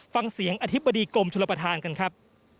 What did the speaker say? ฟังเสียงอธิบดีกรมชลประธานกันครับ